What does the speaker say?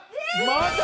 また。